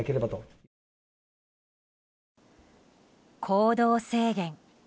行動制限。